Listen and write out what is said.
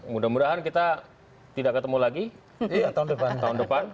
mudah mudahan kita tidak ketemu lagi tahun depan